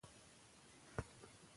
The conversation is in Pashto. ټولنه باید پرېکړه وکړي.